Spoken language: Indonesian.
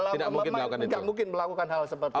tidak mungkin melakukan hal seperti itu